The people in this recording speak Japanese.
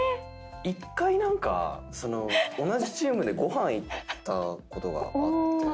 １回同じチームでご飯行ったことがあって。